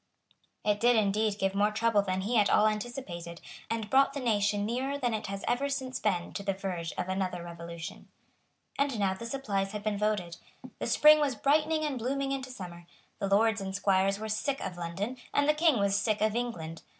It did indeed give more trouble than he at all anticipated, and brought the nation nearer than it has ever since been to the verge of another revolution. And now the supplies had been voted. The spring was brightening and blooming into summer. The lords and squires were sick of London; and the King was sick of England.